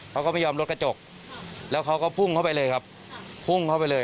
เขาก็ไม่ยอมรถกระจกแล้วเขาก็พุ่งเข้าไปเลยครับพุ่งเข้าไปเลย